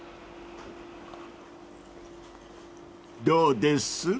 ［どうです？］